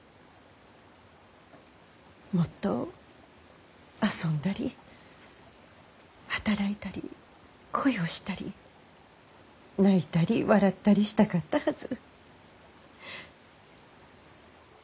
もっと遊んだり働いたり恋をしたり泣いたり笑ったりしたかったはず。